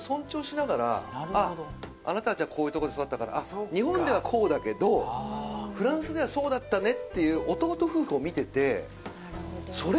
あなたはこういうとこで育ったから日本ではこうだけどフランスではそうだったねって。うん！